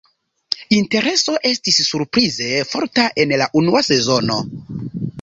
Intereso estis surprize forta en la unua sezono.